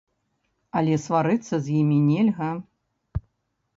Але сварыцца з імі нельга.